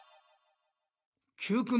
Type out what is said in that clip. Ｑくん